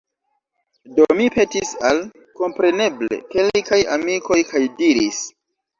Do mi petis al, kompreneble, kelkaj amikoj, kaj diris: